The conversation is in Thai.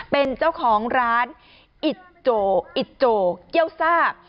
เป็นเจ้าของร้านอิจโจอิโจเกี้ยวซาบ